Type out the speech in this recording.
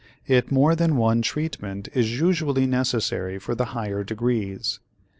Yet more than one treatment is usually necessary for the higher degrees.